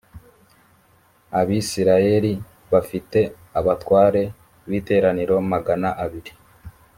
abisirayeli bafite abatware b’iteraniro magana abiri